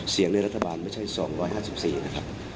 เสียงในรัฐบาลไม่ใช่๒๕๔นะครับ